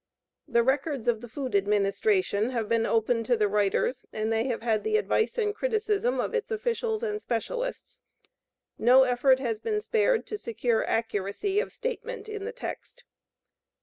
The records of the Food Administration have been open to the writers and they have had the advice and criticism of its officials and specialists. No effort has been spared to secure accuracy of statement in the text.